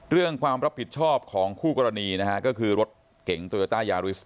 เรื่องความรับผิดชอบของคู่กรณีนะฮะก็คือรถเก่งตัวจักรยาริสต์